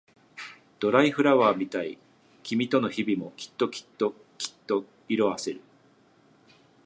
ドライフラワーみたい君との日々もきっときっときっと色あせる